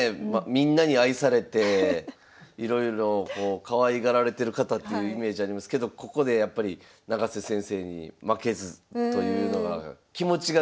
みんなに愛されていろいろかわいがられてる方っていうイメージありますけどここでやっぱり永瀬先生に負けずというのが気持ちがね